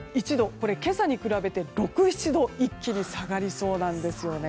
これ、今朝に比べて６７度一気に下がりそうなんですよね。